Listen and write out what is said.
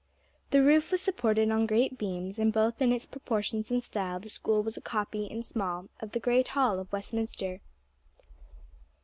The roof was supported on great beams, and both in its proportions and style the School was a copy in small of the great hall of Westminster.